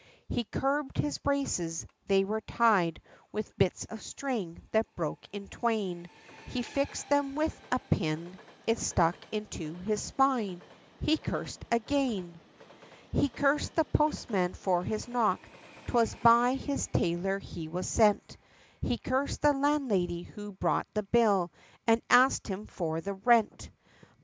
He curbed his braces they were tied with bits of string, that broke in twain, He fixed them with a pin; it stuck into his spine he cursed again; He cursed the postman for his knock 'twas by his tailor he was sent; He cursed the landlady who brought the bill; and asked him for the rent.